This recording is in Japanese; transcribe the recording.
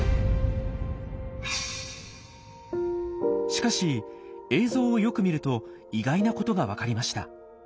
しかし映像をよく見ると意外なことが分かりました。